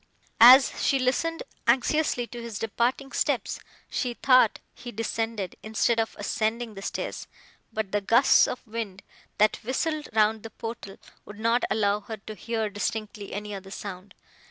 As she listened anxiously to his departing steps, she thought he descended, instead of ascending, the stairs; but the gusts of wind, that whistled round the portal, would not allow her to hear distinctly any other sound.